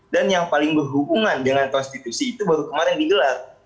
dan yang paling berhubungan dengan konstitusi itu baru kemarin digelar